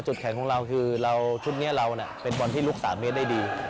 แข็งของเราคือเราชุดนี้เราเป็นบอลที่ลุก๓เมตรได้ดี